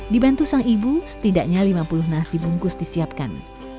dibantu sang ibu setidaknya lima puluh nasi bungkus disiapkan